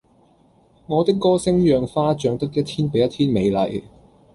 我的歌聲讓花長得一天比一天美麗